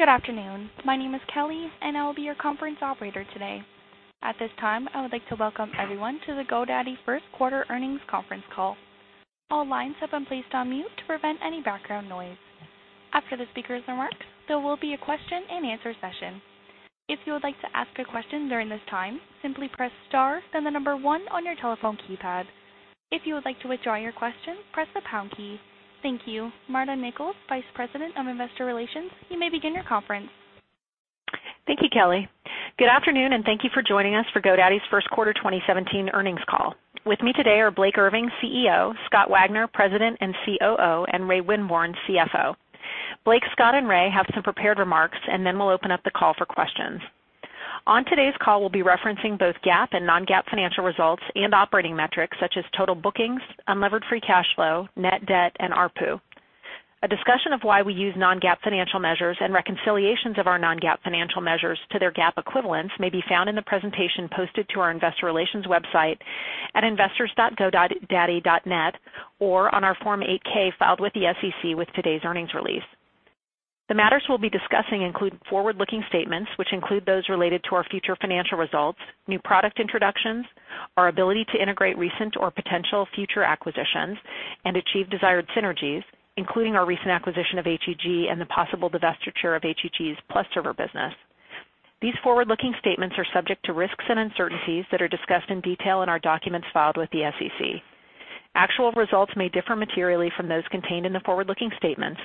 Good afternoon. My name is Kelly, and I will be your conference operator today. At this time, I would like to welcome everyone to the GoDaddy first quarter earnings conference call. All lines have been placed on mute to prevent any background noise. After the speakers' remarks, there will be a question-and-answer session. If you would like to ask a question during this time, simply press star, then the number 1 on your telephone keypad. If you would like to withdraw your question, press the pound key. Thank you. Marta Nichols, Vice President of Investor Relations, you may begin your conference. Thank you, Kelly. Good afternoon, and thank you for joining us for GoDaddy's first quarter 2017 earnings call. With me today are Blake Irving, CEO, Scott Wagner, President and COO, and Ray Winborne, CFO. Blake, Scott, and Ray have some prepared remarks, then we'll open up the call for questions. On today's call, we'll be referencing both GAAP and non-GAAP financial results and operating metrics such as total bookings, unlevered free cash flow, net debt, and ARPU. A discussion of why we use non-GAAP financial measures and reconciliations of our non-GAAP financial measures to their GAAP equivalents may be found in the presentation posted to our investor relations website at investors.godaddy.net or on our Form 8-K filed with the SEC with today's earnings release. The matters we'll be discussing include forward-looking statements, which include those related to our future financial results, new product introductions, our ability to integrate recent or potential future acquisitions and achieve desired synergies, including our recent acquisition of HEG and the possible divestiture of HEG's PlusServer business. These forward-looking statements are subject to risks and uncertainties that are discussed in detail in our documents filed with the SEC. Actual results may differ materially from those contained in the forward-looking statements.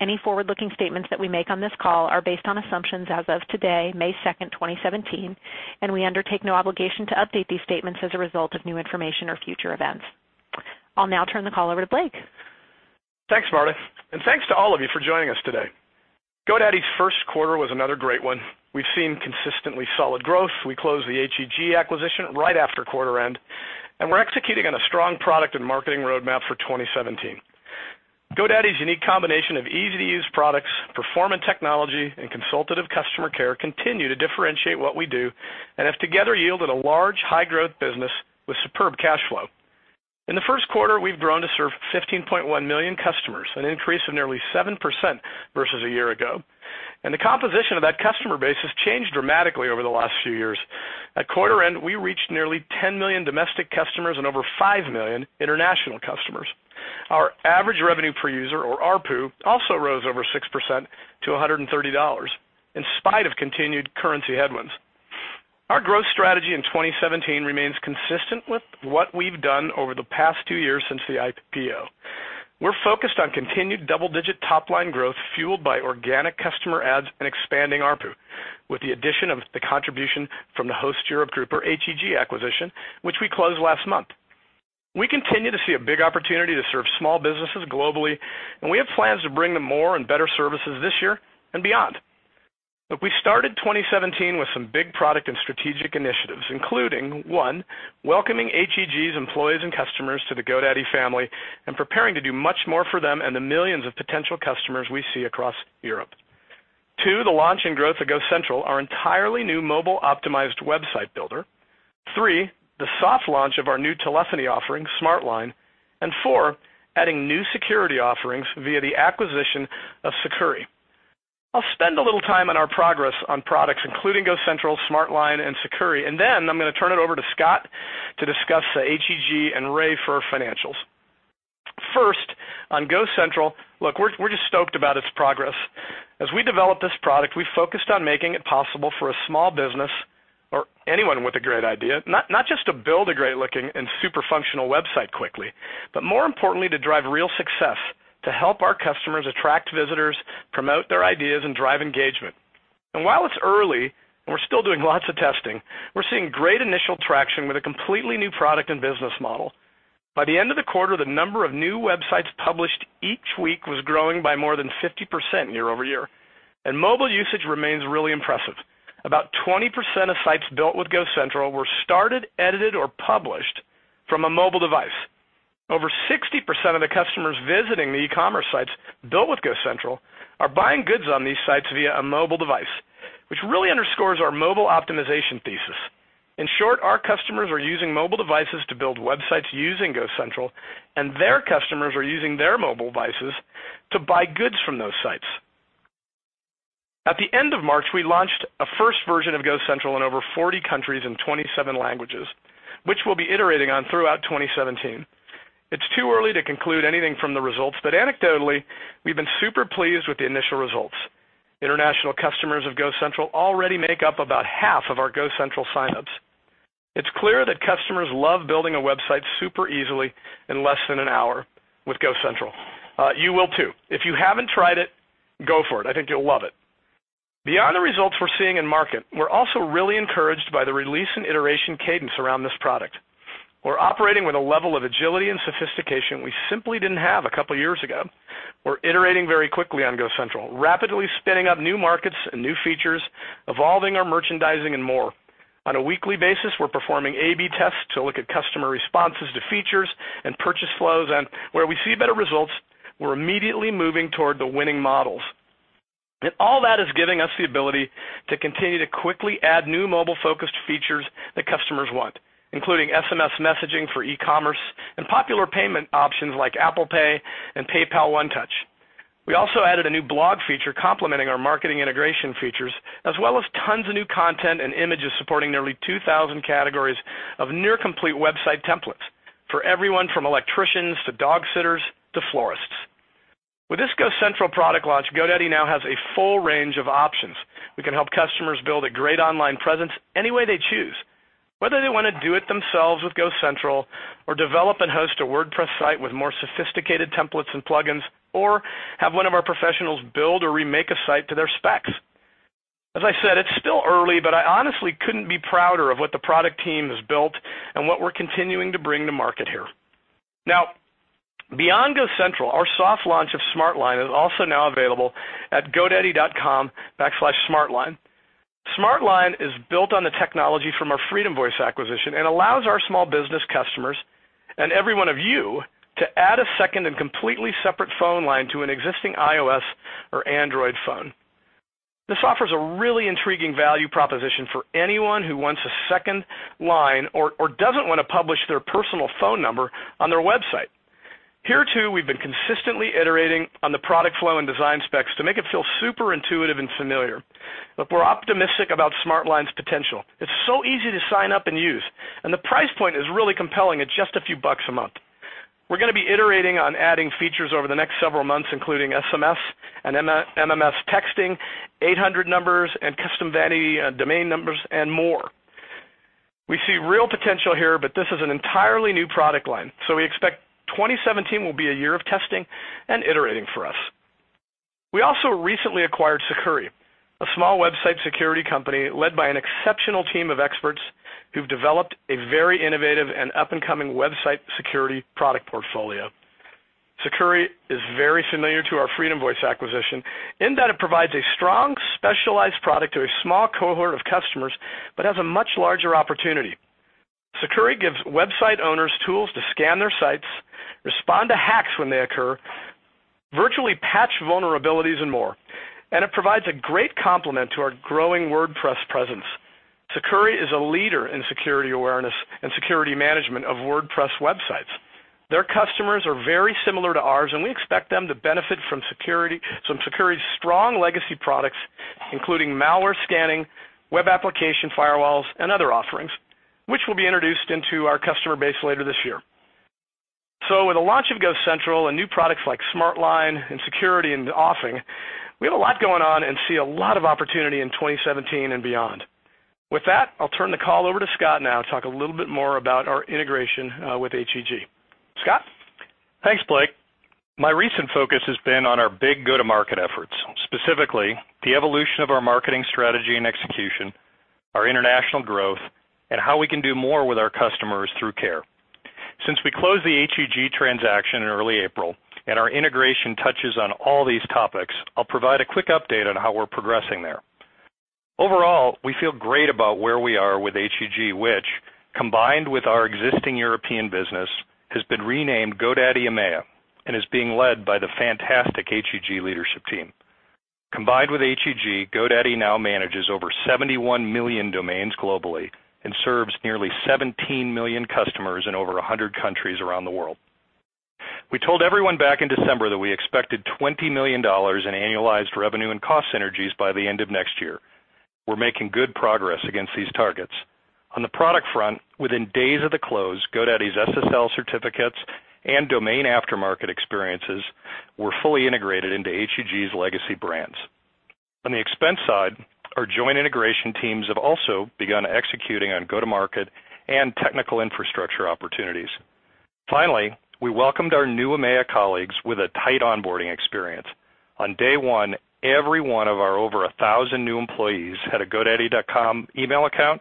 Any forward-looking statements that we make on this call are based on assumptions as of today, May 2nd, 2017, and we undertake no obligation to update these statements as a result of new information or future events. I'll now turn the call over to Blake. Thanks, Kristy, and thanks to all of you for joining us today. GoDaddy's first quarter was another great one. We've seen consistently solid growth. We closed the HEG acquisition right after quarter end, and we're executing on a strong product and marketing roadmap for 2017. GoDaddy's unique combination of easy-to-use products, performant technology, and consultative customer care continue to differentiate what we do and have together yielded a large, high-growth business with superb cash flow. In the first quarter, we've grown to serve 15.1 million customers, an increase of nearly 7% versus a year ago. The composition of that customer base has changed dramatically over the last few years. At quarter end, we reached nearly 10 million domestic customers and over 5 million international customers. Our average revenue per user, or ARPU, also rose over 6% to $130, in spite of continued currency headwinds. Our growth strategy in 2017 remains consistent with what we've done over the past two years since the IPO. We're focused on continued double-digit top-line growth fueled by organic customer adds and expanding ARPU, with the addition of the contribution from the Host Europe Group, or HEG, acquisition, which we closed last month. We continue to see a big opportunity to serve small businesses globally, and we have plans to bring them more and better services this year and beyond. Look, we started 2017 with some big product and strategic initiatives, including, one, welcoming HEG's employees and customers to the GoDaddy family and preparing to do much more for them and the millions of potential customers we see across Europe. two, the launch and growth of GoCentral, our entirely new mobile-optimized website builder. three, the soft launch of our new telephony offering, SmartLine, and four, adding new security offerings via the acquisition of Sucuri. I'll spend a little time on our progress on products including GoCentral, SmartLine, and Sucuri, then I'm going to turn it over to Scott to discuss the HEG, and Ray for our financials. First, on GoCentral, look, we're just stoked about its progress. As we developed this product, we focused on making it possible for a small business or anyone with a great idea, not just to build a great-looking and super functional website quickly, but more importantly, to drive real success, to help our customers attract visitors, promote their ideas, and drive engagement. While it's early, and we're still doing lots of testing, we're seeing great initial traction with a completely new product and business model. By the end of the quarter, the number of new websites published each week was growing by more than 50% year-over-year, and mobile usage remains really impressive. About 20% of sites built with GoCentral were started, edited, or published from a mobile device. Over 60% of the customers visiting the e-commerce sites built with GoCentral are buying goods on these sites via a mobile device, which really underscores our mobile optimization thesis. In short, our customers are using mobile devices to build websites using GoCentral, and their customers are using their mobile devices to buy goods from those sites. At the end of March, we launched a first version of GoCentral in over 40 countries in 27 languages, which we'll be iterating on throughout 2017. It's too early to conclude anything from the results, but anecdotally, we've been super pleased with the initial results. International customers of GoCentral already make up about half of our GoCentral signups. It's clear that customers love building a website super easily in less than an hour with GoCentral. You will too. If you haven't tried it, go for it. I think you'll love it. Beyond the results we're seeing in market, we're also really encouraged by the release and iteration cadence around this product. We're operating with a level of agility and sophistication we simply didn't have a couple of years ago. We're iterating very quickly on GoCentral, rapidly spinning up new markets and new features, evolving our merchandising, and more. Where we see better results, we're immediately moving toward the winning models. All that is giving us the ability to continue to quickly add new mobile-focused features that customers want, including SMS messaging for e-commerce and popular payment options like Apple Pay and PayPal One Touch. We also added a new blog feature complementing our marketing integration features, as well as tons of new content and images supporting nearly 2,000 categories of near complete website templates for everyone, from electricians to dog sitters to florists. With this GoCentral product launch, GoDaddy now has a full range of options. We can help customers build a great online presence any way they choose, whether they want to do it themselves with GoCentral or develop and host a WordPress site with more sophisticated templates and plugins, or have one of our professionals build or remake a site to their specs. As I said, it's still early, but I honestly couldn't be prouder of what the product team has built and what we're continuing to bring to market here. Beyond GoCentral, our soft launch of SmartLine is also now available at godaddy.com/smartline. SmartLine is built on the technology from our FreedomVoice acquisition and allows our small business customers, and every one of you, to add a second and completely separate phone line to an existing iOS or Android phone. This offers a really intriguing value proposition for anyone who wants a second line or doesn't want to publish their personal phone number on their website. Here too, we've been consistently iterating on the product flow and design specs to make it feel super intuitive and familiar. We're optimistic about SmartLine's potential. It's so easy to sign up and use, and the price point is really compelling at just a few bucks a month. We're going to be iterating on adding features over the next several months, including SMS and MMS texting, 800 numbers, and custom vanity domain numbers, and more. We see real potential here, but this is an entirely new product line, so we expect 2017 will be a year of testing and iterating for us. We also recently acquired Sucuri, a small website security company led by an exceptional team of experts who've developed a very innovative and up-and-coming website security product portfolio. Sucuri is very familiar to our FreedomVoice acquisition in that it provides a strong, specialized product to a small cohort of customers but has a much larger opportunity. Sucuri gives website owners tools to scan their sites, respond to hacks when they occur, virtually patch vulnerabilities, and more, and it provides a great complement to our growing WordPress presence. Sucuri is a leader in security awareness and security management of WordPress websites. Their customers are very similar to ours, and we expect them to benefit from Sucuri's strong legacy products, including malware scanning, web application firewalls, and other offerings, which will be introduced into our customer base later this year. With the launch of GoCentral and new products like SmartLine and Sucuri in the offing, we have a lot going on and see a lot of opportunity in 2017 and beyond. With that, I'll turn the call over to Scott now to talk a little bit more about our integration with HEG. Scott? Thanks, Blake. My recent focus has been on our big go-to-market efforts, specifically the evolution of our marketing strategy and execution, our international growth, and how we can do more with our customers through care. Since we closed the HEG transaction in early April, and our integration touches on all these topics, I'll provide a quick update on how we're progressing there. Overall, we feel great about where we are with HEG, which, combined with our existing European business, has been renamed GoDaddy EMEA and is being led by the fantastic HEG leadership team. Combined with HEG, GoDaddy now manages over 71 million domains globally and serves nearly 17 million customers in over 100 countries around the world. We told everyone back in December that we expected $20 million in annualized revenue and cost synergies by the end of next year. We're making good progress against these targets. On the product front, within days of the close, GoDaddy's SSL certificates and domain aftermarket experiences were fully integrated into HEG's legacy brands. On the expense side, our joint integration teams have also begun executing on go-to-market and technical infrastructure opportunities. Finally, we welcomed our new EMEA colleagues with a tight onboarding experience. On day one, every one of our over 1,000 new employees had a godaddy.com email account,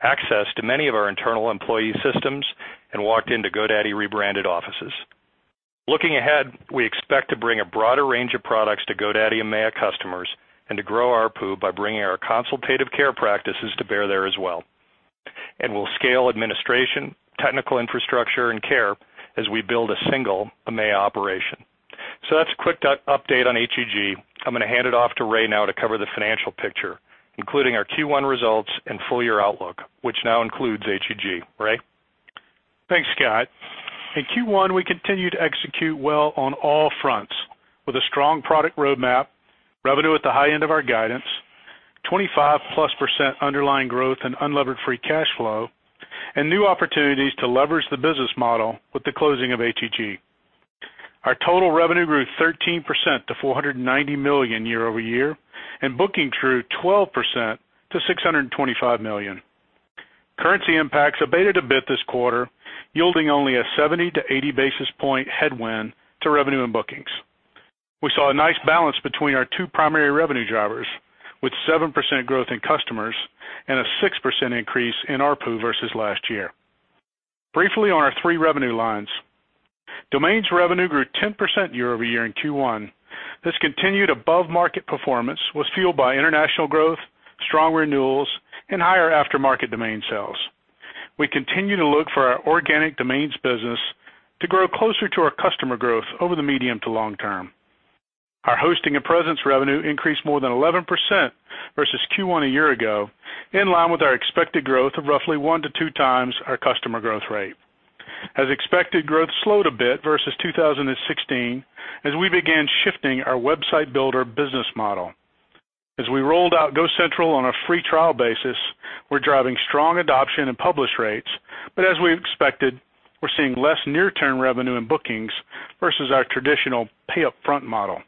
access to many of our internal employee systems, and walked into GoDaddy rebranded offices. Looking ahead, we expect to bring a broader range of products to GoDaddy EMEA customers and to grow ARPU by bringing our consultative care practices to bear there as well. We'll scale administration, technical infrastructure, and care as we build a single EMEA operation. That's a quick update on HEG. I'm going to hand it off to Ray now to cover the financial picture, including our Q1 results and full-year outlook, which now includes HEG. Ray? Thanks, Scott. In Q1, we continued to execute well on all fronts with a strong product roadmap, revenue at the high end of our guidance, 25%+ underlying growth and unlevered free cash flow, and new opportunities to leverage the business model with the closing of HEG. Our total revenue grew 13% to $490 million year-over-year, and bookings grew 12% to $625 million. Currency impacts abated a bit this quarter, yielding only a 70 to 80 basis point headwind to revenue and bookings. We saw a nice balance between our two primary revenue drivers, with 7% growth in customers and a 6% increase in ARPU versus last year. Briefly on our three revenue lines. Domains revenue grew 10% year-over-year in Q1. This continued above-market performance was fueled by international growth, strong renewals, and higher aftermarket domain sales. We continue to look for our organic domains business to grow closer to our customer growth over the medium to long term. Our hosting and presence revenue increased more than 11% versus Q1 a year ago, in line with our expected growth of roughly 1-2 times our customer growth rate. As expected, growth slowed a bit versus 2016 as we began shifting our website builder business model. As we rolled out GoCentral on a free trial basis, we're driving strong adoption and publish rates, as we expected, we're seeing less near-term revenue and bookings versus our traditional pay up front model.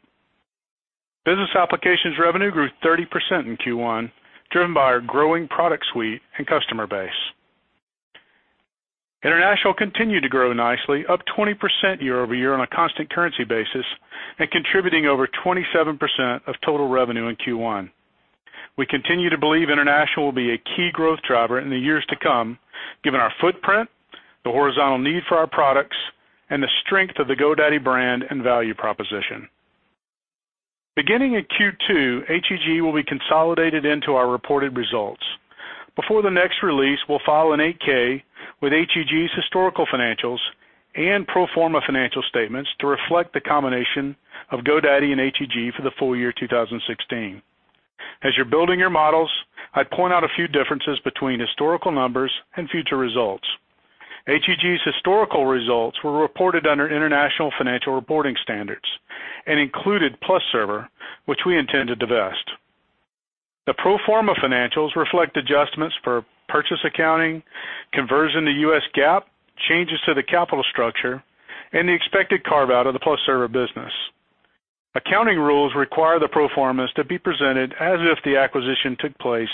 Business applications revenue grew 30% in Q1, driven by our growing product suite and customer base. International continued to grow nicely, up 20% year-over-year on a constant currency basis, and contributing over 27% of total revenue in Q1. We continue to believe international will be a key growth driver in the years to come, given our footprint, the horizontal need for our products, and the strength of the GoDaddy brand and value proposition. Beginning in Q2, HEG will be consolidated into our reported results. Before the next release, we'll file an 8-K with HEG's historical financials and pro forma financial statements to reflect the combination of GoDaddy and HEG for the full year 2016. As you're building your models, I'd point out a few differences between historical numbers and future results. HEG's historical results were reported under International Financial Reporting Standards and included PlusServer, which we intend to divest. The pro forma financials reflect adjustments for purchase accounting, conversion to U.S. GAAP, changes to the capital structure, and the expected carve-out of the PlusServer business. Accounting rules require the pro formas to be presented as if the acquisition took place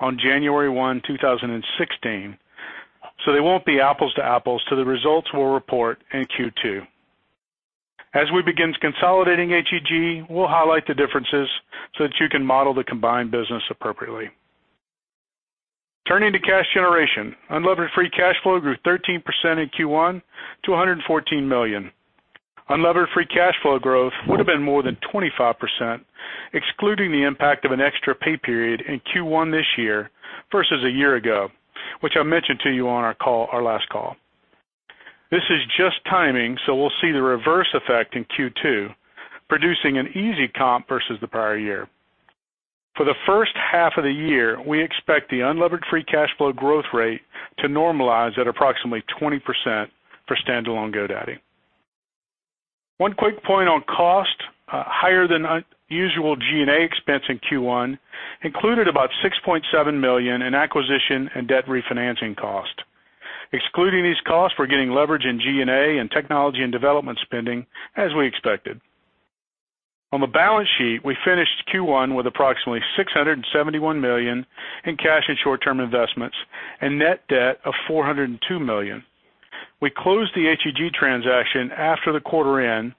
on January 1, 2016, so they won't be apples to apples to the results we'll report in Q2. As we begin consolidating HEG, we'll highlight the differences so that you can model the combined business appropriately. Turning to cash generation, unlevered free cash flow grew 13% in Q1 to $114 million. Unlevered free cash flow growth would have been more than 25%, excluding the impact of an extra pay period in Q1 this year versus a year ago, which I mentioned to you on our last call. This is just timing, we'll see the reverse effect in Q2, producing an easy comp versus the prior year. For the first half of the year, we expect the unlevered free cash flow growth rate to normalize at approximately 20% for standalone GoDaddy. One quick point on cost. Higher than usual G&A expense in Q1 included about $6.7 million in acquisition and debt refinancing cost. Excluding these costs, we're getting leverage in G&A and technology and development spending, as we expected. On the balance sheet, we finished Q1 with approximately $671 million in cash and short-term investments and net debt of $402 million. We closed the HEG transaction after the quarter end,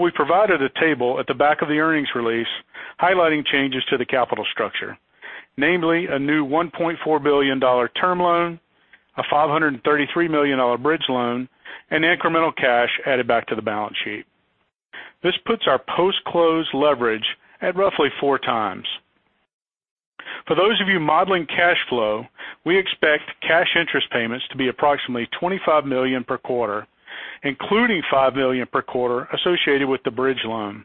we provided a table at the back of the earnings release highlighting changes to the capital structure, namely a new $1.4 billion term loan, a $533 million bridge loan, and incremental cash added back to the balance sheet. This puts our post-close leverage at roughly 4 times. For those of you modeling cash flow, we expect cash interest payments to be approximately $25 million per quarter, including $5 million per quarter associated with the bridge loan.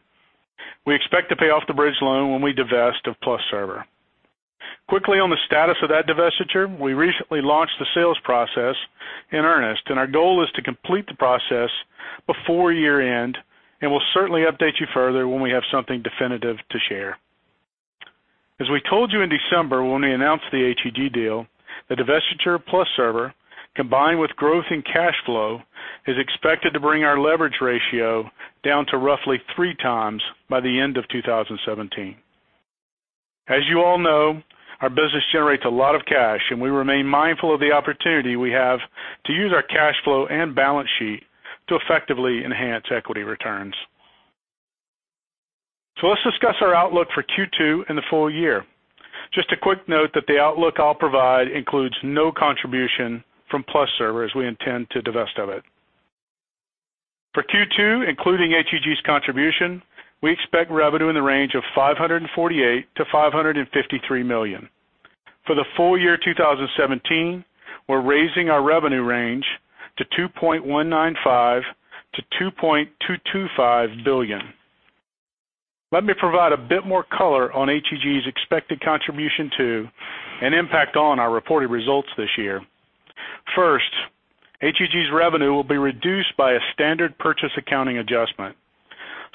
We expect to pay off the bridge loan when we divest of Plus Server. Quickly on the status of that divestiture, we recently launched the sales process in earnest, and our goal is to complete the process before year-end, and we'll certainly update you further when we have something definitive to share. As we told you in December when we announced the HEG deal, the divestiture of Plus Server, combined with growth in cash flow, is expected to bring our leverage ratio down to roughly 3 times by the end of 2017. As you all know, our business generates a lot of cash, and we remain mindful of the opportunity we have to use our cash flow and balance sheet to effectively enhance equity returns. Let's discuss our outlook for Q2 and the full year. Just a quick note that the outlook I'll provide includes no contribution from Plus Server, as we intend to divest of it. For Q2, including HEG's contribution, we expect revenue in the range of $548 million-$553 million. For the full year 2017, we're raising our revenue range to $2.195 billion-$2.225 billion. Let me provide a bit more color on HEG's expected contribution to and impact on our reported results this year. First, HEG's revenue will be reduced by a standard purchase accounting adjustment.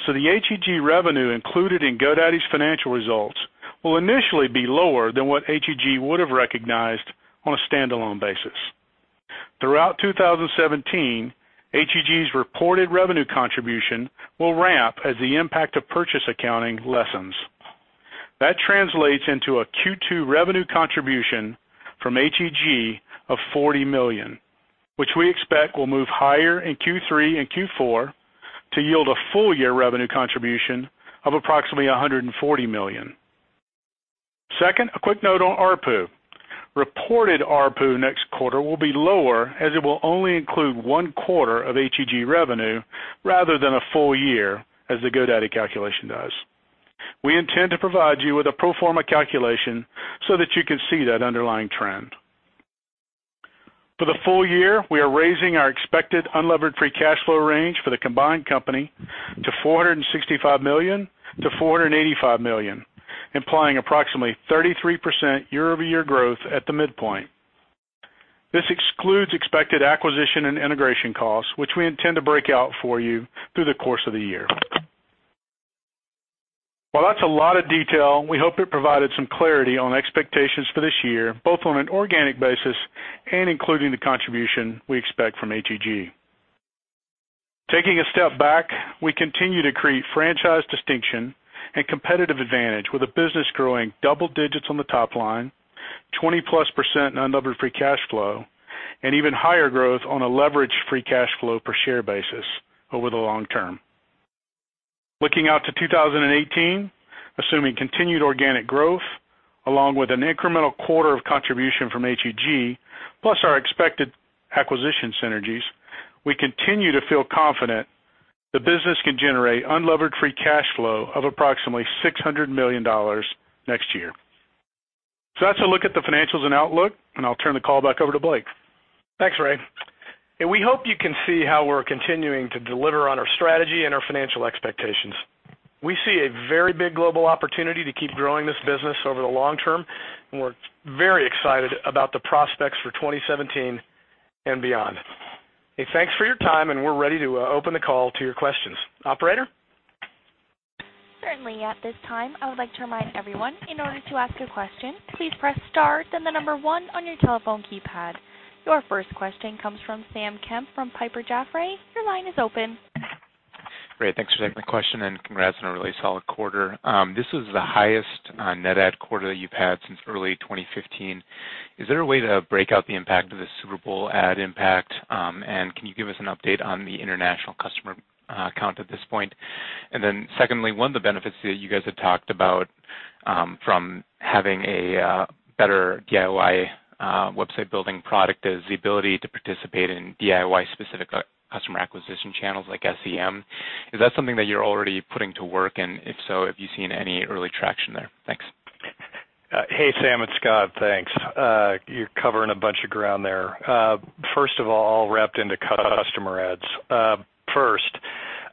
The HEG revenue included in GoDaddy's financial results will initially be lower than what HEG would have recognized on a standalone basis. Throughout 2017, HEG's reported revenue contribution will ramp as the impact of purchase accounting lessens. That translates into a Q2 revenue contribution from HEG of $40 million, which we expect will move higher in Q3 and Q4 to yield a full-year revenue contribution of approximately $140 million. Second, a quick note on ARPU. Reported ARPU next quarter will be lower, as it will only include 1 quarter of HEG revenue rather than a full year, as the GoDaddy calculation does. We intend to provide you with a pro forma calculation so that you can see that underlying trend. For the full year, we are raising our expected unlevered free cash flow range for the combined company to $465 million-$485 million. Implying approximately 33% year-over-year growth at the midpoint. This excludes expected acquisition and integration costs, which we intend to break out for you through the course of the year. While that's a lot of detail, we hope it provided some clarity on expectations for this year, both on an organic basis and including the contribution we expect from HEG. Taking a step back, we continue to create franchise distinction and competitive advantage with the business growing double digits on the top line, 20%-plus unlevered free cash flow, and even higher growth on a levered free cash flow per share basis over the long term. Looking out to 2018, assuming continued organic growth, along with an incremental quarter of contribution from HEG, plus our expected acquisition synergies, we continue to feel confident the business can generate unlevered free cash flow of approximately $600 million next year. That's a look at the financials and outlook, and I'll turn the call back over to Blake. Thanks, Ray. We hope you can see how we're continuing to deliver on our strategy and our financial expectations. We see a very big global opportunity to keep growing this business over the long term, and we're very excited about the prospects for 2017 and beyond. Hey, thanks for your time, and we're ready to open the call to your questions. Operator? Certainly. At this time, I would like to remind everyone, in order to ask a question, please press star, then the number one on your telephone keypad. Your first question comes from Samuel Kemp from Piper Jaffray. Your line is open. Great. Thanks for taking the question, and congrats on a really solid quarter. This is the highest net add quarter that you've had since early 2015. Is there a way to break out the impact of the Super Bowl ad impact? Can you give us an update on the international customer count at this point? Then secondly, one of the benefits that you guys had talked about from having a better DIY website-building product is the ability to participate in DIY-specific customer acquisition channels like SEM. Is that something that you're already putting to work? If so, have you seen any early traction there? Thanks. Hey, Sam, it's Scott. Thanks. You're covering a bunch of ground there. First of all wrapped into customer adds. First,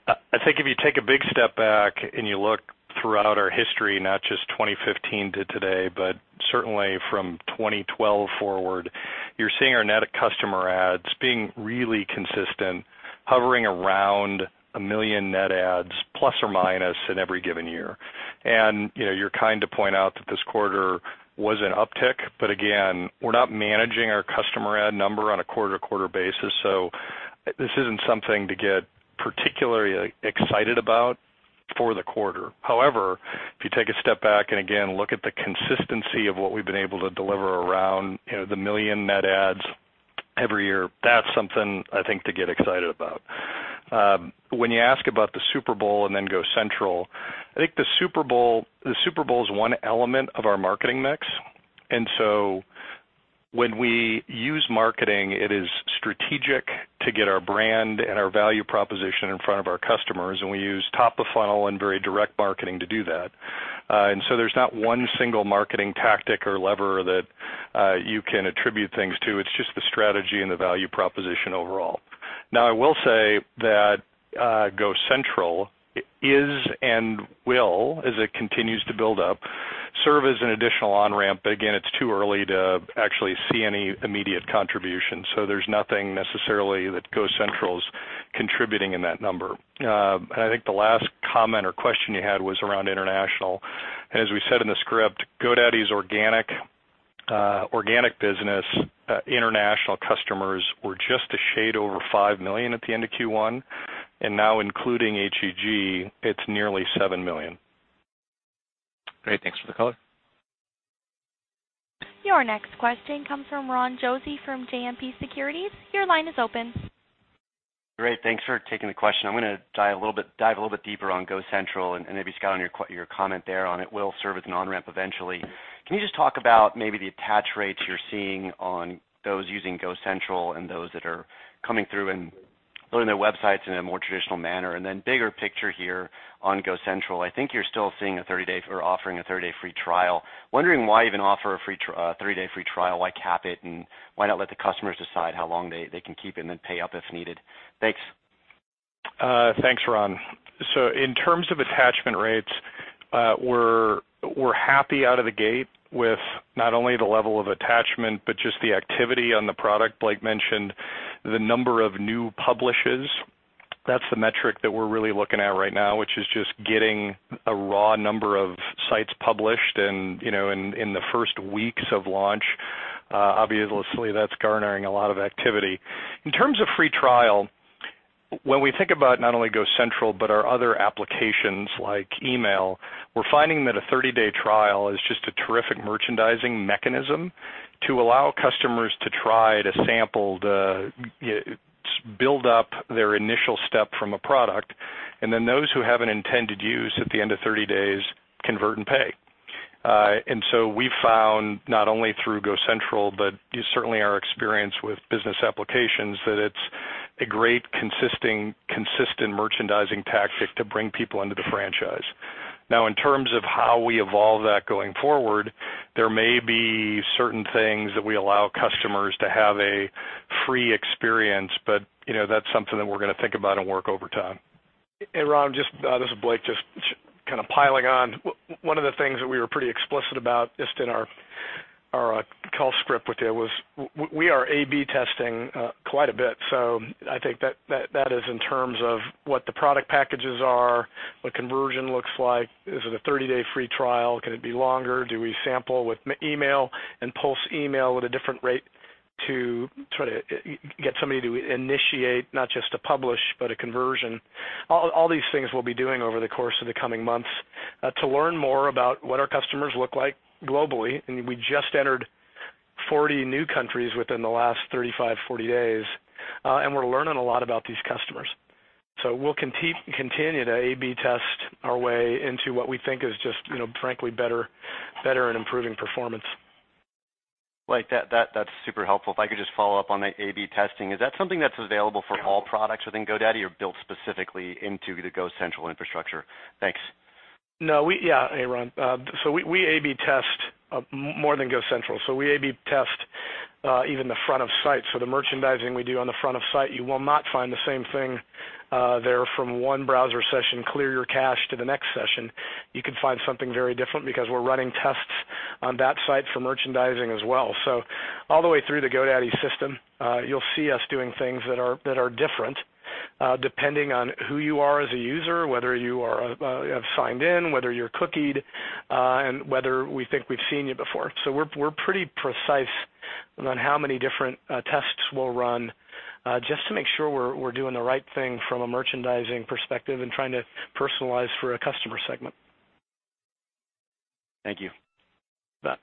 I think if you take a big step back and you look throughout our history, not just 2015 to today, but certainly from 2012 forward, you're seeing our net customer adds being really consistent, hovering around 1 million net adds, plus or minus in every given year. You're kind to point out that this quarter was an uptick, but again, we're not managing our customer add number on a quarter-over-quarter basis, so this isn't something to get particularly excited about for the quarter. However, if you take a step back and again, look at the consistency of what we've been able to deliver around the 1 million net adds every year, that's something I think to get excited about. When you ask about the Super Bowl and GoCentral, I think the Super Bowl is one element of our marketing mix, and so when we use marketing, it is strategic to get our brand and our value proposition in front of our customers, and we use top of funnel and very direct marketing to do that. There's not one single marketing tactic or lever that you can attribute things to. It's just the strategy and the value proposition overall. Now, I will say that GoCentral is and will, as it continues to build up, serve as an additional on-ramp. Again, it's too early to actually see any immediate contribution. There's nothing necessarily that GoCentral's contributing in that number. I think the last comment or question you had was around international. As we said in the script, GoDaddy's organic business, international customers were just a shade over 5 million at the end of Q1, and now including HEG, it's nearly 7 million. Great, thanks for the color. Your next question comes from Ron Josey from JMP Securities. Your line is open. Great. Thanks for taking the question. I'm going to dive a little bit deeper on GoCentral and maybe, Scott, on your comment there on it will serve as an on-ramp eventually. Can you just talk about maybe the attach rates you're seeing on those using GoCentral and those that are coming through and building their websites in a more traditional manner? Then bigger picture here on GoCentral, I think you're still seeing a 30-day or offering a 30-day free trial. Wondering why even offer a 30-day free trial? Why cap it, and why not let the customers decide how long they can keep it and then pay up if needed? Thanks. Thanks, Ron. In terms of attachment rates, we're happy out of the gate with not only the level of attachment, but just the activity on the product. Blake mentioned the number of new publishes. That's the metric that we're really looking at right now, which is just getting a raw number of sites published and, in the first weeks of launch, obviously, that's garnering a lot of activity. In terms of free trial, when we think about not only GoCentral, but our other applications like email, we're finding that a 30-day trial is just a terrific merchandising mechanism to allow customers to try to sample the build up their initial step from a product, and then those who have an intended use at the end of 30 days convert and pay. We found not only through GoCentral, but certainly our experience with business applications, that it's a great, consistent merchandising tactic to bring people into the franchise. Now, in terms of how we evolve that going forward. Free experience, that is something that we're going to think about and work over time. Ron, this is Blake, just kind of piling on. One of the things that we were pretty explicit about, just in our call script with you, was we are A/B testing quite a bit. I think that is in terms of what the product packages are, what conversion looks like. Is it a 30-day free trial? Can it be longer? Do we sample with email and pulse email at a different rate to try to get somebody to initiate not just a publish, but a conversion? All these things we'll be doing over the course of the coming months to learn more about what our customers look like globally, we just entered 40 new countries within the last 35, 40 days. We're learning a lot about these customers. We'll continue to A/B test our way into what we think is just frankly better and improving performance. Blake, that's super helpful. If I could just follow up on that A/B testing, is that something that's available for all products within GoDaddy or built specifically into the GoCentral infrastructure? Thanks. Yeah. Hey, Ron. We A/B test more than GoCentral. We A/B test even the front of site. The merchandising we do on the front of site, you will not find the same thing there from one browser session, clear your cache to the next session. You can find something very different because we're running tests on that site for merchandising as well. All the way through the GoDaddy system, you'll see us doing things that are different, depending on who you are as a user, whether you have signed in, whether you're cookied, and whether we think we've seen you before. We're pretty precise on how many different tests we'll run, just to make sure we're doing the right thing from a merchandising perspective and trying to personalize for a customer segment. Thank you. You bet.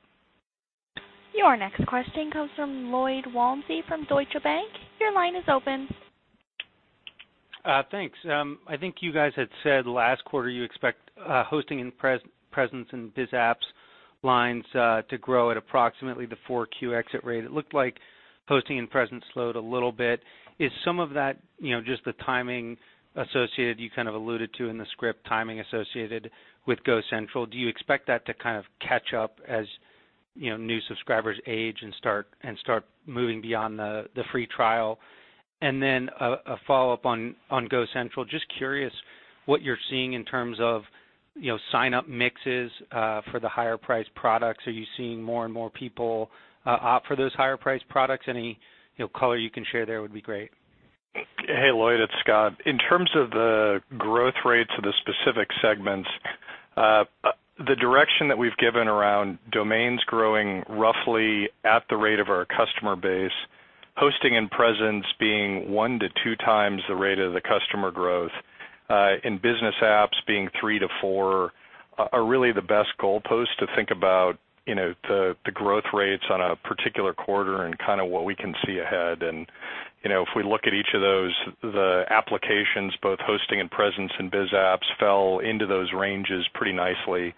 Your next question comes from Lloyd Walmsley from Deutsche Bank. Your line is open. Thanks. I think you guys had said last quarter, you expect hosting and presence in Biz Apps lines to grow at approximately the 4Q exit rate. It looked like hosting and presence slowed a little bit. Is some of that, just the timing associated, you kind of alluded to in the script, timing associated with GoCentral? Do you expect that to kind of catch up as new subscribers age and start moving beyond the free trial? A follow-up on GoCentral. Just curious what you're seeing in terms of sign-up mixes for the higher priced products. Are you seeing more and more people opt for those higher priced products? Any color you can share there would be great. Hey, Lloyd, it's Scott. In terms of the growth rates of the specific segments, the direction that we've given around domains growing roughly at the rate of our customer base, hosting and presence being one to two times the rate of the customer growth, and business apps being three to four, are really the best goalposts to think about the growth rates on a particular quarter and kind of what we can see ahead. If we look at each of those, the applications, both hosting and presence and Biz Apps, fell into those ranges pretty nicely.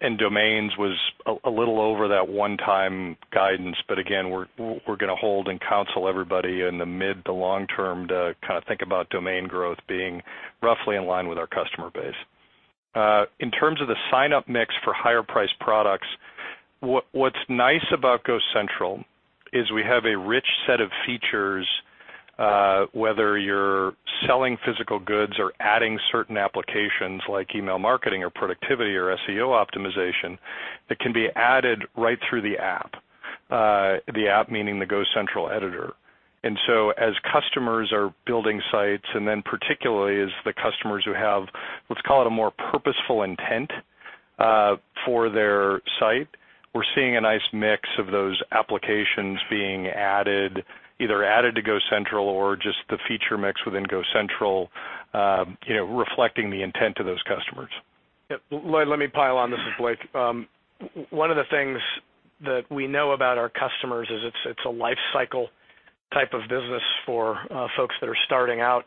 Domains was a little over that one-time guidance, but again, we're going to hold and counsel everybody in the mid to long term to kind of think about domain growth being roughly in line with our customer base. In terms of the sign-up mix for higher priced products, what's nice about GoCentral is we have a rich set of features, whether you're selling physical goods or adding certain applications like email marketing or productivity or SEO optimization, that can be added right through the app, the app meaning the GoCentral editor. As customers are building sites, then particularly as the customers who have, let's call it, a more purposeful intent for their site, we're seeing a nice mix of those applications being either added to GoCentral or just the feature mix within GoCentral reflecting the intent of those customers. Yep. Lloyd, let me pile on. This is Blake. One of the things that we know about our customers is it's a life cycle type of business for folks that are starting out.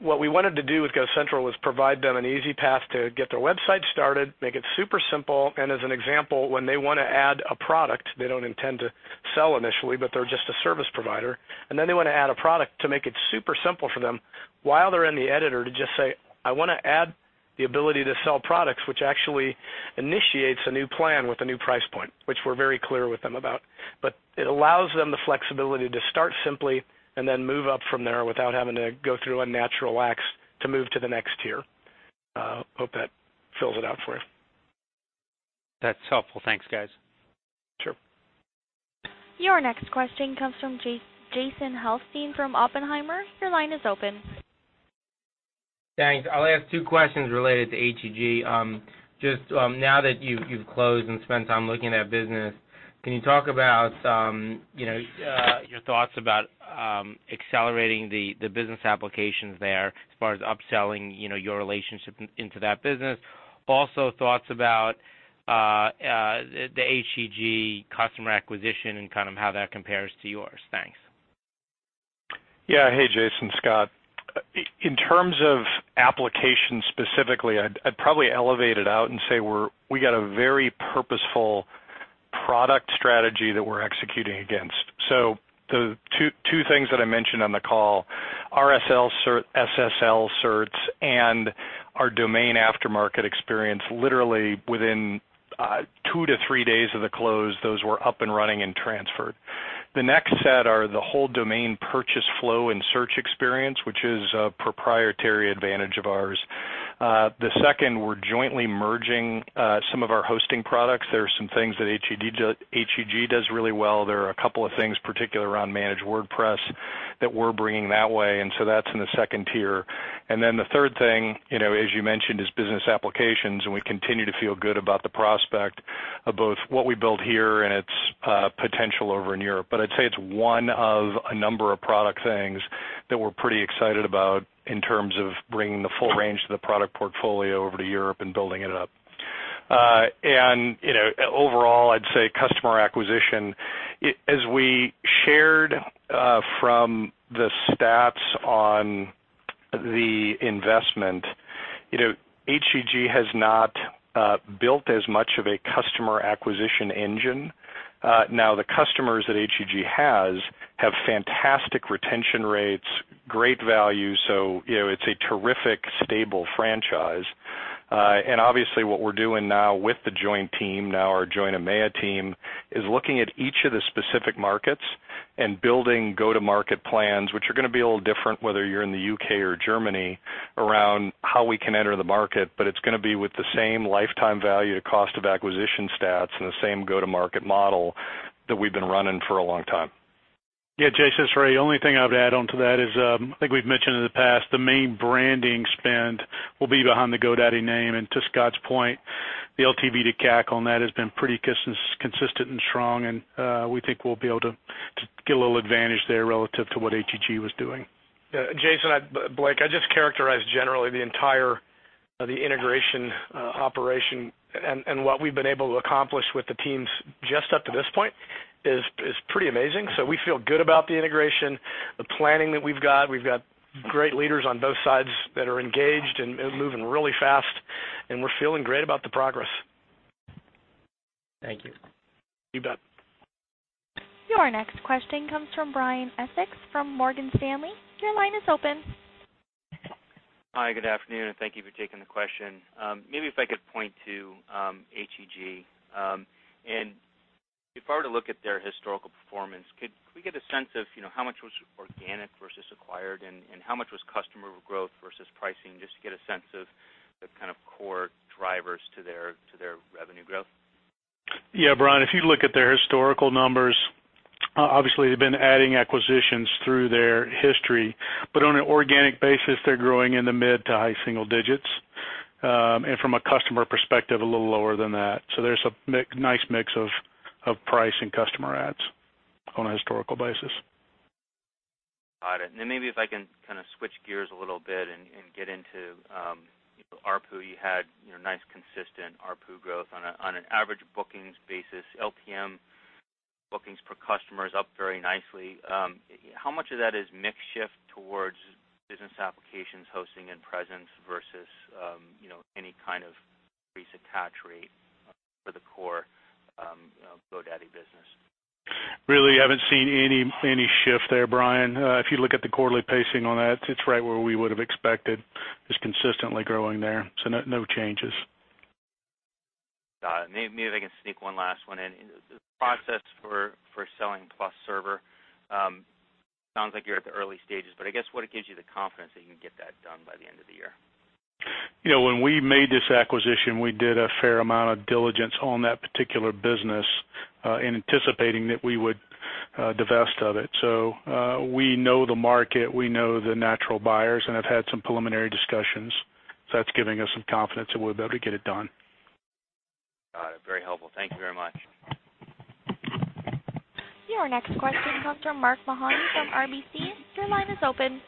What we wanted to do with GoCentral was provide them an easy path to get their website started, make it super simple, as an example, when they want to add a product, they don't intend to sell initially, but they're just a service provider, they want to add a product to make it super simple for them, while they're in the editor to just say, "I want to add the ability to sell products," which actually initiates a new plan with a new price point, which we're very clear with them about. It allows them the flexibility to start simply and then move up from there without having to go through a natural axe to move to the next tier. Hope that fills it out for you. That's helpful. Thanks, guys. Sure. Your next question comes from Jason Helfstein from Oppenheimer & Co.. Your line is open. Thanks. I'll ask two questions related to HEG. Just now that you've closed and spent time looking at business, can you talk about your thoughts about accelerating the business applications there as far as upselling your relationship into that business? Also, thoughts about the HEG customer acquisition and kind of how that compares to yours. Thanks. Hey, Jason, Scott. In terms of applications specifically, I'd probably elevate it out and say we got a very purposeful product strategy that we're executing against. The two things that I mentioned on the call, SSL certs and Our domain aftermarket experience, literally within two to three days of the close, those were up and running and transferred. The next set are the whole domain purchase flow and search experience, which is a proprietary advantage of ours. The second, we're jointly merging some of our hosting products. There are some things that HEG does really well. There are a couple of things, particularly around managed WordPress, that we're bringing that way, that's in the tier 2. The third thing, as you mentioned, is business applications. We continue to feel good about the prospect of both what we build here and its potential over in Europe. I'd say it's one of a number of product things that we're pretty excited about in terms of bringing the full range to the product portfolio over to Europe and building it up. Overall, I'd say customer acquisition, as we shared from the stats on the investment, HEG has not built as much of a customer acquisition engine. The customers that HEG has, have fantastic retention rates, great value, it's a terrific, stable franchise. Obviously, what we're doing now with the joint team now, our joint EMEA team, is looking at each of the specific markets and building go-to-market plans, which are going to be a little different whether you're in the U.K. or Germany, around how we can enter the market. It's going to be with the same lifetime value to cost of acquisition stats and the same go-to-market model that we've been running for a long time. Jason, it's Ray. The only thing I would add onto that is, I think we've mentioned in the past, the main branding spend will be behind the GoDaddy name. To Scott's point, the LTV to CAC on that has been pretty consistent and strong, we think we'll be able to get a little advantage there relative to what HEG was doing. Jason, Blake, I'd just characterize generally the entire integration operation, what we've been able to accomplish with the teams just up to this point is pretty amazing. We feel good about the integration, the planning that we've got. We've got great leaders on both sides that are engaged and moving really fast, we're feeling great about the progress. Thank you. You bet. Your next question comes from Brian Essex from Morgan Stanley. Your line is open. Hi, good afternoon, and thank you for taking the question. Maybe if I could point to HEG, if I were to look at their historical performance, could we get a sense of how much was organic versus acquired, how much was customer growth versus pricing, just to get a sense of the kind of core drivers to their revenue growth? Yeah, Brian, if you look at their historical numbers, obviously, they've been adding acquisitions through their history, on an organic basis, they're growing in the mid to high single digits. From a customer perspective, a little lower than that. There's a nice mix of price and customer adds on a historical basis. Got it. Maybe if I can kind of switch gears a little bit and get into ARPU. You had nice consistent ARPU growth on an average bookings basis. LPM bookings per customer is up very nicely. How much of that is mix shift towards business applications hosting and presence versus any kind of recent catch rate for the core GoDaddy business? Really haven't seen any shift there, Brian. If you look at the quarterly pacing on that, it's right where we would've expected. It's consistently growing there, no changes. Got it. Maybe I can sneak one last one in. The process for selling PlusServer, sounds like you're at the early stages, but I guess, what gives you the confidence that you can get that done by the end of the year? When we made this acquisition, we did a fair amount of diligence on that particular business, in anticipating that we would divest of it. We know the market, we know the natural buyers, and have had some preliminary discussions. That's giving us some confidence that we'll be able to get it done. Got it. Very helpful. Thank you very much. Your next question comes from Mark Mahaney from RBC. Your line is open.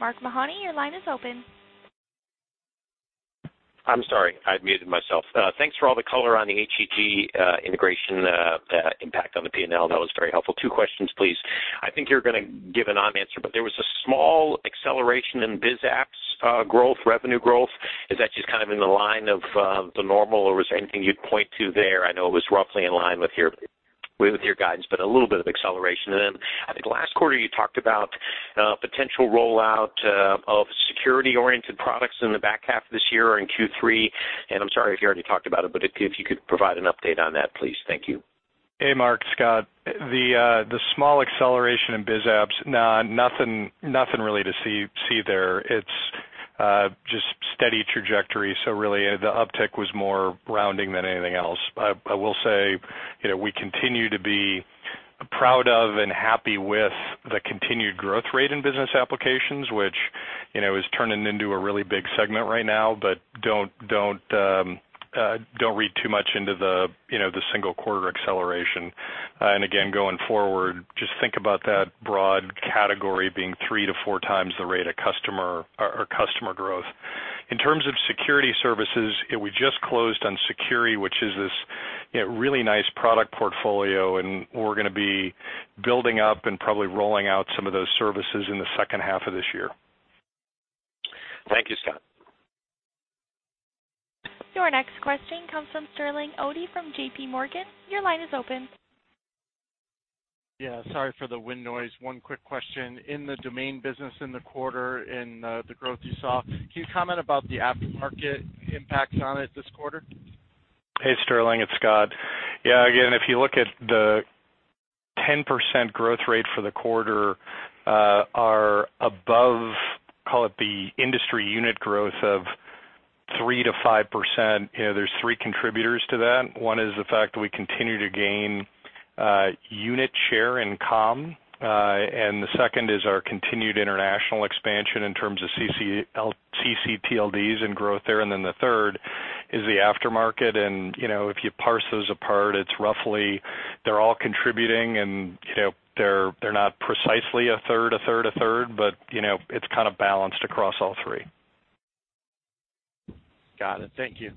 Mark Mahaney, your line is open. I'm sorry. I muted myself. Thanks for all the color on the HEG integration impact on the P&L. That was very helpful. Two questions, please. I think you're going to give a non-answer, but there was a small acceleration in biz apps growth, revenue growth. Is that just kind of in the line of the normal, or is there anything you'd point to there? I know it was roughly in line with your guidance, but a little bit of acceleration. Then I think last quarter, you talked about potential rollout of security-oriented products in the back half of this year or in Q3. I'm sorry if you already talked about it, but if you could provide an update on that, please. Thank you. Hey, Mark, Scott. The small acceleration in biz apps, no, nothing really to see there. It's just steady trajectory, so really, the uptick was more rounding than anything else. I will say, we continue to be proud of and happy with the continued growth rate in business applications, which is turning into a really big segment right now. Don't read too much into the single quarter acceleration. Again, going forward, just think about that broad category being three to four times the rate of customer growth. In terms of security services, we just closed on Sucuri, which is this really nice product portfolio, and we're going to be building up and probably rolling out some of those services in the second half of this year. Thank you, Scott. Your next question comes from Sterling Auty from J.P. Morgan, your line is open. Yeah, sorry for the wind noise. One quick question. In the domain business in the quarter, in the growth you saw, can you comment about the aftermarket impacts on it this quarter? Hey, Sterling, it's Scott. Yeah, again, if you look at the 10% growth rate for the quarter are above, call it, the industry unit growth of 3%-5%, there's three contributors to that. One is the fact that we continue to gain unit share in com. The second is our continued international expansion in terms of ccTLDs and growth there, the third is the aftermarket. If you parse those apart, it's roughly they're all contributing and they're not precisely a third, a third, a third, but it's kind of balanced across all three. Got it. Thank you.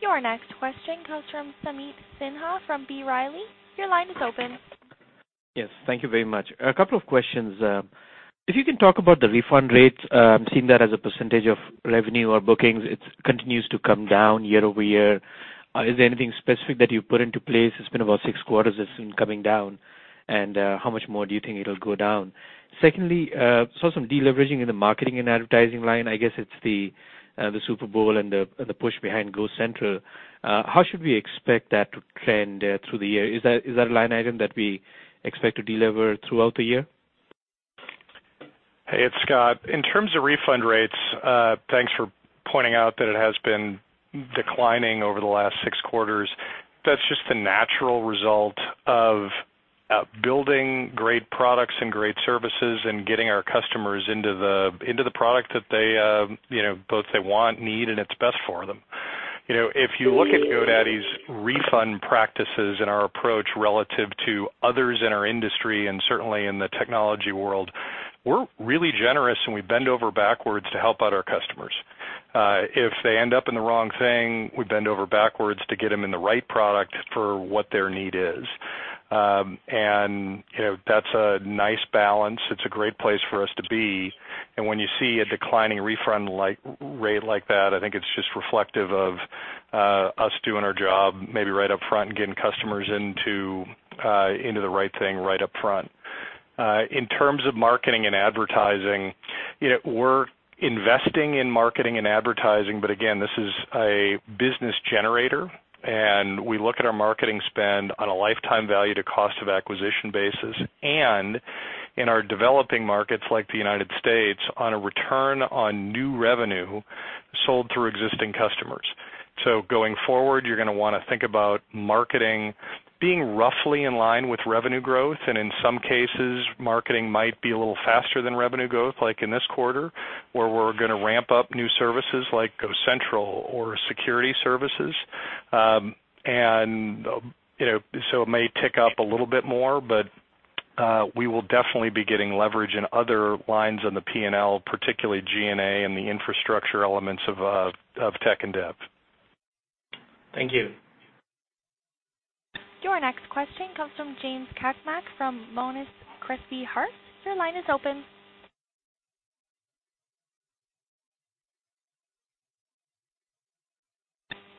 Your next question comes from Sameet Sinha from B. Riley. Your line is open. Yes. Thank you very much. A couple of questions. If you can talk about the refund rates, seeing that as a percentage of revenue or bookings, it continues to come down year-over-year. Is there anything specific that you have put into place? It has been about six quarters since coming down, and how much more do you think it will go down? Secondly, saw some deleveraging in the marketing and advertising line. I guess it is the Super Bowl and the push behind GoCentral. How should we expect that to trend through the year? Is that a line item that we expect to delever throughout the year? Hey, it is Scott. In terms of refund rates, thanks for pointing out that it has been declining over the last six quarters. That is just the natural result of building great products and great services and getting our customers into the product that both they want, need, and it is best for them. If you look at GoDaddy's refund practices and our approach relative to others in our industry, and certainly in the technology world, we are really generous, and we bend over backwards to help out our customers. If they end up in the wrong thing, we bend over backwards to get them in the right product for what their need is. That is a nice balance. It is a great place for us to be. When you see a declining refund rate like that, I think it is just reflective of us doing our job, maybe right up front and getting customers into the right thing right up front. In terms of marketing and advertising, we are investing in marketing and advertising, but again, this is a business generator, and we look at our marketing spend on a lifetime value to cost of acquisition basis, and in our developing markets like the U.S., on a return on new revenue sold through existing customers. Going forward, you are going to want to think about marketing being roughly in line with revenue growth, and in some cases, marketing might be a little faster than revenue growth, like in this quarter, where we are going to ramp up new services like GoCentral or security services. It may tick up a little bit more, but we will definitely be getting leverage in other lines on the P&L, particularly G&A and the infrastructure elements of tech and dev. Thank you. Your next question comes from James Cakmak from Monness, Crespi, Hardt. Your line is open.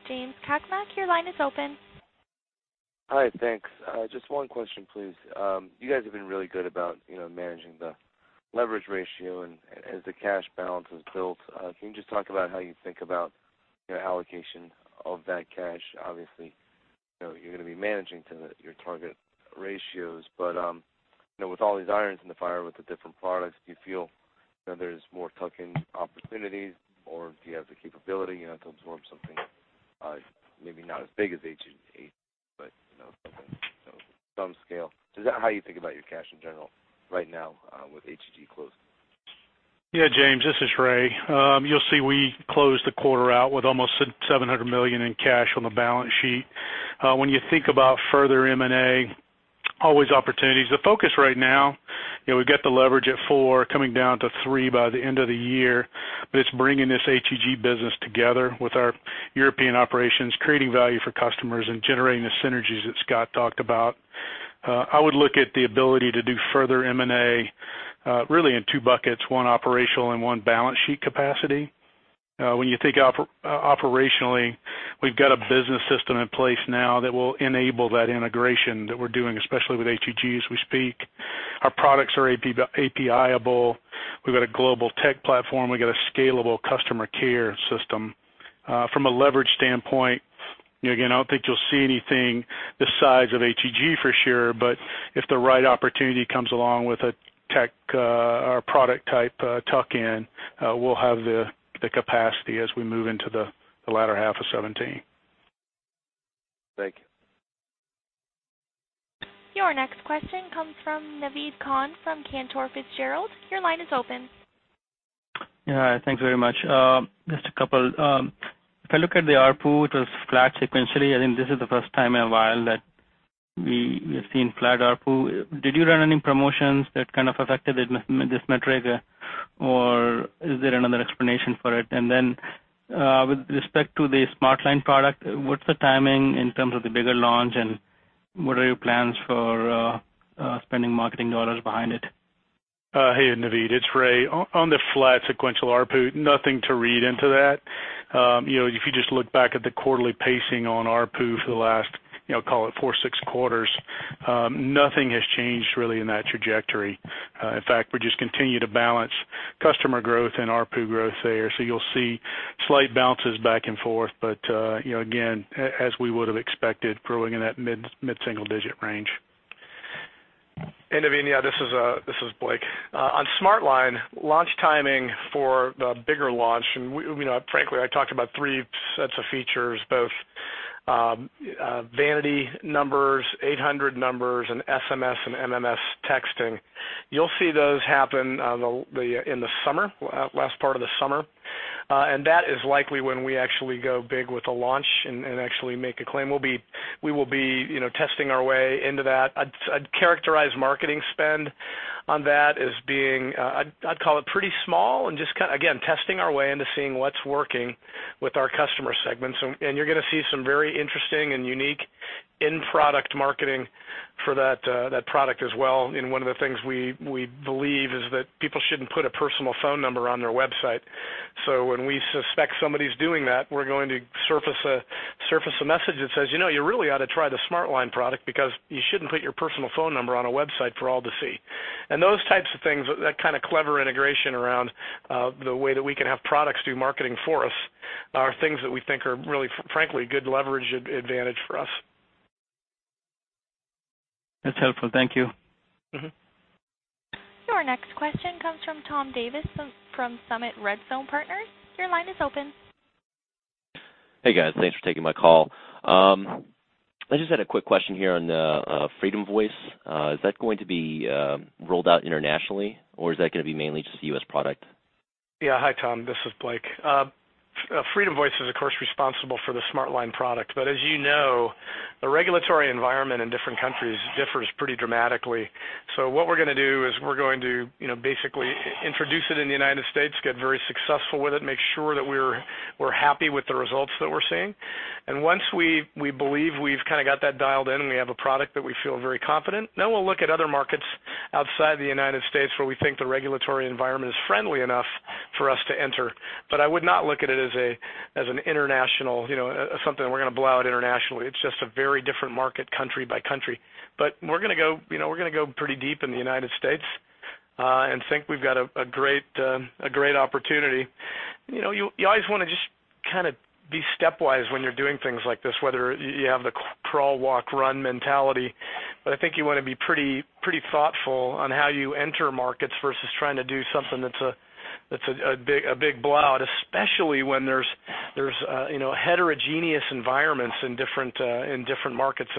James Cakmak, your line is open. Hi, thanks. Just one question, please. You guys have been really good about managing the leverage ratio. As the cash balance is built, can you just talk about how you think about your allocation of that cash? Obviously, you're going to be managing to your target ratios, but with all these irons in the fire with the different products, do you feel there's more tuck-in opportunities, or do you have the capability to absorb something maybe not as big as HEG, but something some scale? Is that how you think about your cash in general right now with HEG closed? Yeah, James, this is Ray. You'll see we closed the quarter out with almost $700 million in cash on the balance sheet. When you think about further M&A, always opportunities. The focus right now, we've got the leverage at four, coming down to three by the end of the year, but it's bringing this HEG business together with our European operations, creating value for customers, and generating the synergies that Scott talked about. I would look at the ability to do further M&A really in two buckets, one operational and one balance sheet capacity. When you think operationally, we've got a business system in place now that will enable that integration that we're doing, especially with HEG as we speak. Our products are APIable. We've got a global tech platform. We've got a scalable customer care system. From a leverage standpoint, again, I don't think you'll see anything the size of HEG, for sure, but if the right opportunity comes along with a tech or product-type tuck-in, we'll have the capacity as we move into the latter half of 2017. Thank you. Your next question comes from Naved Khan from Cantor Fitzgerald. Your line is open. Yeah. Thanks very much. Just a couple. If I look at the ARPU, it was flat sequentially. I think this is the first time in a while that we have seen flat ARPU. Did you run any promotions that kind of affected this metric, or is there another explanation for it? With respect to the SmartLine product, what's the timing in terms of the bigger launch, and what are your plans for spending marketing dollars behind it? Hey, Naved, it's Ray. On the flat sequential ARPU, nothing to read into that. If you just look back at the quarterly pacing on ARPU for the last call it four, six quarters, nothing has changed really in that trajectory. In fact, we just continue to balance customer growth and ARPU growth there. You'll see slight bounces back and forth, but again, as we would've expected, growing in that mid-single-digit range. Navid, yeah, this is Blake. On SmartLine, launch timing for the bigger launch, frankly, I talked about three sets of features, both vanity numbers, 800 numbers, SMS and MMS texting. You'll see those happen in the summer, last part of the summer. That is likely when we actually go big with a launch and actually make a claim. We will be testing our way into that. I'd characterize marketing spend on that as being, I'd call it pretty small, just again, testing our way into seeing what's working with our customer segments. You're going to see some very interesting and unique in-product marketing for that product as well, one of the things we believe is that people shouldn't put a personal phone number on their website. When we suspect somebody's doing that, we're going to surface a message that says, "You know, you really ought to try the SmartLine product because you shouldn't put your personal phone number on a website for all to see." Those types of things, that kind of clever integration around the way that we can have products do marketing for us, are things that we think are really, frankly, good leverage advantage for us. That's helpful. Thank you. Your next question comes from Tom Davis from Summit Redstone Partners. Your line is open. Hey, guys. Thanks for taking my call. I just had a quick question here on FreedomVoice. Is that going to be rolled out internationally, or is that going to be mainly just a U.S. product? Yeah. Hi, Tom. This is Blake. FreedomVoice is, of course, responsible for the SmartLine product. As you know, the regulatory environment in different countries differs pretty dramatically. What we're going to do is we're going to basically introduce it in the United States, get very successful with it, make sure that we're happy with the results that we're seeing. Once we believe we've got that dialed in, and we have a product that we feel very confident, then we'll look at other markets outside the United States where we think the regulatory environment is friendly enough for us to enter. I would not look at it as an international, something that we're going to blow out internationally. It's just a very different market country by country. We're going to go pretty deep in the United States, and think we've got a great opportunity. You always want to just be stepwise when you're doing things like this, whether you have the crawl, walk, run mentality. I think you want to be pretty thoughtful on how you enter markets versus trying to do something that's a big blow-out, especially when there's heterogeneous environments in different markets.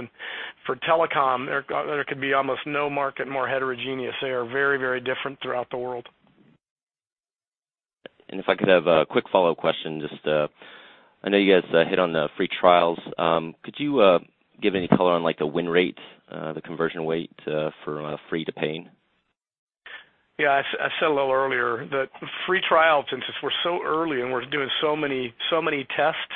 For telecom, there could be almost no market more heterogeneous. They are very different throughout the world. If I could have a quick follow-up question. I know you guys hit on the free trials. Could you give any color on the win rate, the conversion rate, for free-to-pay? Yeah. I said a little earlier that free trial, since we're so early and we're doing so many tests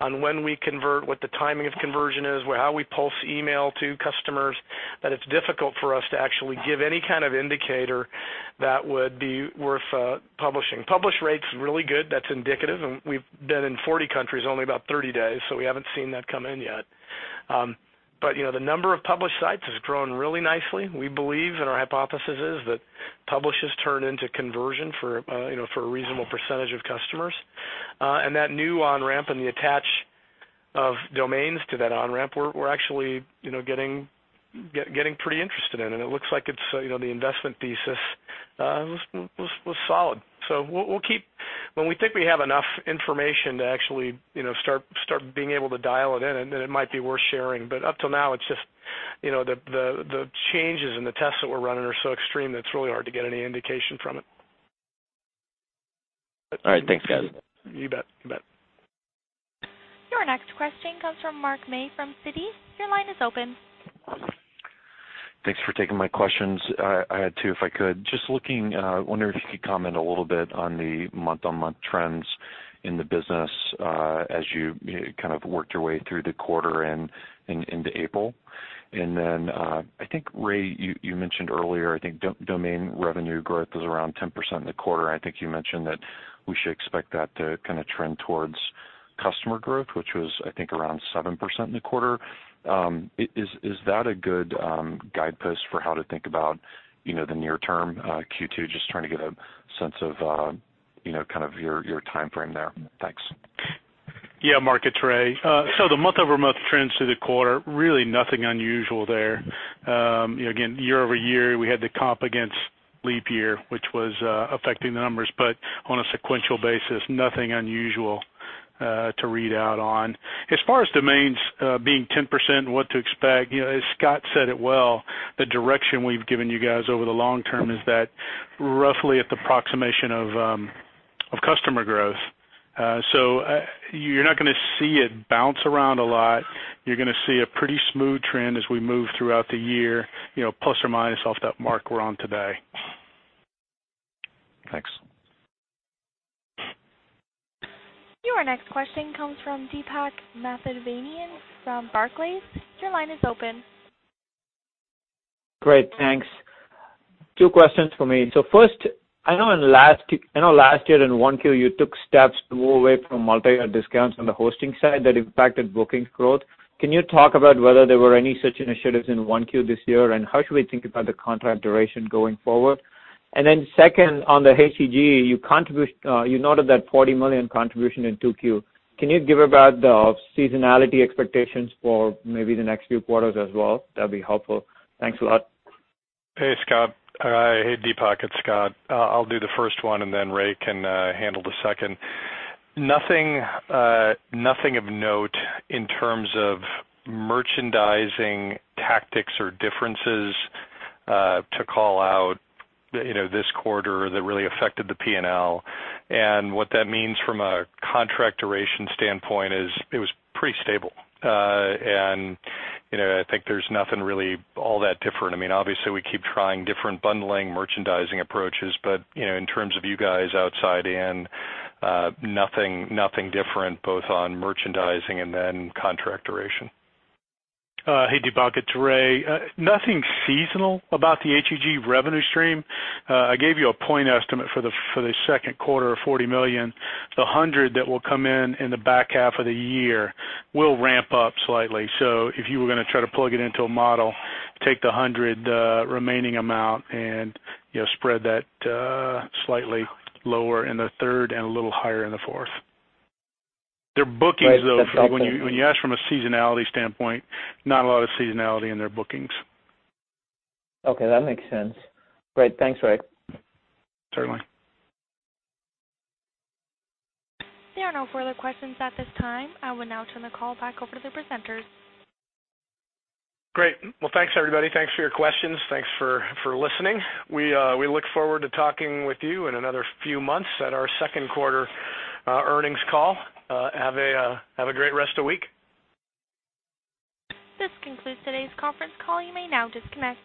on when we convert, what the timing of conversion is, how we pulse email to customers, that it's difficult for us to actually give any kind of indicator that would be worth publishing. Publish rate's really good. That's indicative, we've been in 40 countries only about 30 days, so we haven't seen that come in yet. The number of published sites has grown really nicely. We believe, and our hypothesis is, that publishes turn into conversion for a reasonable percentage of customers. That new on-ramp and the attach of domains to that on-ramp, we're actually getting pretty interested in, and it looks like the investment thesis was solid. When we think we have enough information to actually start being able to dial it in, and then it might be worth sharing. Up till now, it's just the changes and the tests that we're running are so extreme that it's really hard to get any indication from it. All right. Thanks, guys. You bet. Your next question comes from Mark May from Citi. Your line is open. Thanks for taking my questions. I had two, if I could. Just looking, I wonder if you could comment a little bit on the month-on-month trends in the business, as you worked your way through the quarter and into April. Then, I think, Ray, you mentioned earlier, I think domain revenue growth was around 10% in the quarter, and I think you mentioned that we should expect that to trend towards customer growth, which was, I think, around 7% in the quarter. Is that a good guidepost for how to think about the near term, Q2? Just trying to get a sense of your timeframe there. Thanks. Yeah, Mark. It's Ray. The month-over-month trends through the quarter, really nothing unusual there. Again, year-over-year, we had to comp against leap year, which was affecting the numbers. But on a sequential basis, nothing unusual to read out on. As far as domains being 10%, what to expect, Scott said it well. The direction we've given you guys over the long term is that roughly at the approximation of customer growth. You're not going to see it bounce around a lot. You're going to see a pretty smooth trend as we move throughout the year, plus or minus off that mark we're on today. Thanks. Our next question comes from Deepak Mathivanan from Barclays. Your line is open. Great, thanks. Two questions for me. First, I know last year in 1Q, you took steps to move away from multi-year discounts on the hosting side that impacted bookings growth. Can you talk about whether there were any such initiatives in 1Q this year, and how should we think about the contract duration going forward? Second, on the HEG, you noted that $40 million contribution in 2Q. Can you give about the seasonality expectations for maybe the next few quarters as well? That'd be helpful. Thanks a lot. Hey, Scott. Hey, Deepak. It's Scott. I'll do the first one, and then Ray can handle the second. Nothing of note in terms of merchandising tactics or differences to call out this quarter that really affected the P&L. What that means from a contract duration standpoint is it was pretty stable. I think there's nothing really all that different. Obviously, we keep trying different bundling merchandising approaches, but in terms of you guys outside in, nothing different, both on merchandising and then contract duration. Hey, Deepak. It's Ray. Nothing seasonal about the HEG revenue stream. I gave you a point estimate for the second quarter of $40 million. The $100 that will come in in the back half of the year will ramp up slightly. If you were going to try to plug it into a model, take the $100 remaining amount and spread that slightly lower in the third and a little higher in the fourth. They're bookings, though. Right. When you ask from a seasonality standpoint, not a lot of seasonality in their bookings. Okay, that makes sense. Great. Thanks, Ray. Certainly. There are no further questions at this time. I will now turn the call back over to the presenters. Great. Well, thanks, everybody. Thanks for your questions. Thanks for listening. We look forward to talking with you in another few months at our second quarter earnings call. Have a great rest of the week. This concludes today's conference call. You may now disconnect.